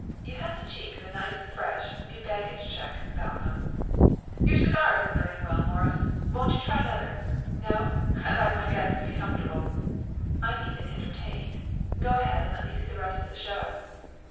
You have the cheek of a nice, fresh, new baggage check, Balcomb." "Your cigar isn't burning well, Morris. Won't you try another? No? I like my guests to be comfortable." "I'm comfortable enough. I'm even entertained. Go ahead and let me see the rest of the show."